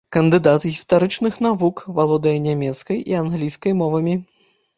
Кандыдат гістарычных навук, валодае нямецкай і англійскай мовамі.